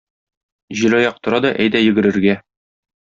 Җилаяк тора да әйдә йөгерергә.